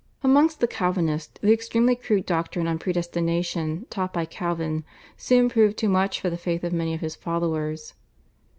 Amongst the Calvinists the extremely crude doctrine on Predestination taught by Calvin soon proved too much for the faith of many of his followers.